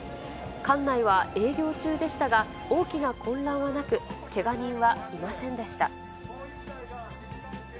館内は営業中でしたが、大きな混乱はなく、けが人はいませんでした。